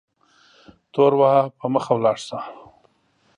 تور وهه په مخه ولاړ سه